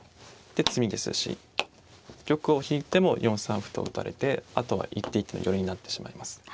で詰みですし玉を引いても４三歩と打たれてあとは一手一手の寄りになってしまいます。